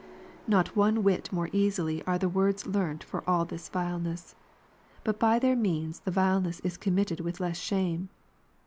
Not one whit more easily are the words learnt for all this vileness ; but by their means the vileness is committed with less shame.